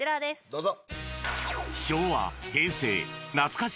どうぞ。